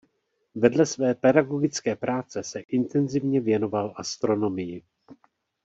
Vedle své pedagogické práce se intenzivně věnoval astronomii.